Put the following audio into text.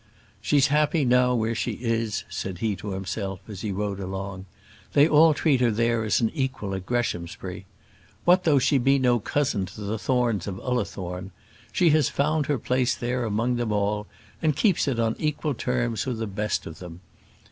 "She's happy now where she is," said he to himself, as he rode along. "They all treat her there as an equal at Greshamsbury. What though she be no cousin to the Thornes of Ullathorne. She has found her place there among them all, and keeps it on equal terms with the best of them.